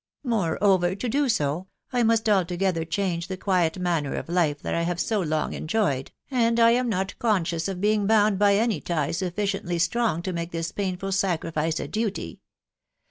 Moreover, to do so, I must altogether < change the quiet manner of life that I have so long enjoyed, and I «m not conscious of being bound by any tie sttfficieetly strong to make this painful sacrifice a duty.